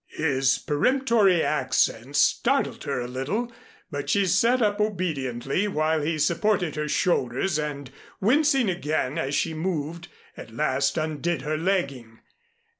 His peremptory accents startled her a little, but she sat up obediently while he supported her shoulders, and wincing again as she moved, at last undid her legging.